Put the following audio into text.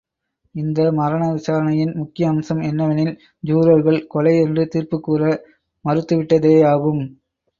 இந்த மரண விசாரணையின் முக்கிய அம்சம் என்னவெனில், ஜூரர்கள் கொலை என்று தீர்ப்புக்கூற மறுத்துவிட்டதேயாகும்.